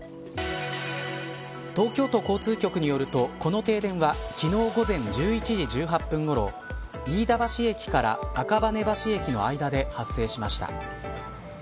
東京都交通局によるとこの停電は昨日午前１１時１８分ごろ飯田橋駅から赤羽橋駅の間で発生しました。